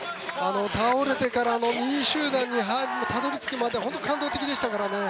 倒れてからの２位集団にたどり着くまで本当に感動的でしたからね。